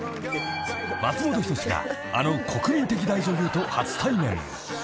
［松本人志があの国民的大女優と初対面］